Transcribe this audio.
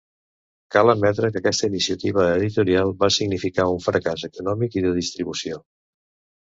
Cal admetre que aquesta iniciativa editorial va significar un fracàs econòmic i de distribució.